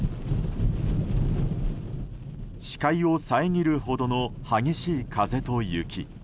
視界を遮るほどの激しい風と雪。